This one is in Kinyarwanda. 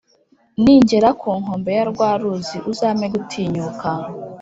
Ningera kunkombe ya rwaruzi uzampe gutinyuka